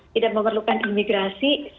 tidak memerlukan imigrasi